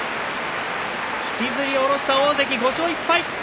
引きずり下ろした大関５勝１敗